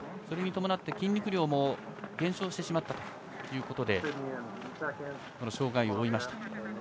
それに伴って、筋肉量も減少してしまったということで障がいを負いました。